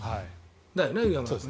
だよね、岩村さん。